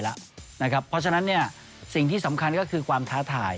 เพราะฉะนั้นสิ่งที่สำคัญก็คือความท้าทาย